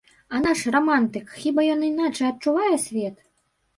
А наш рамантык, хіба ён іначай адчувае свет?